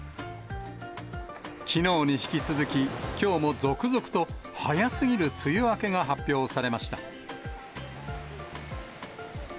きのうに引き続き、きょうも続々と、早すぎる梅雨明けが発表されました。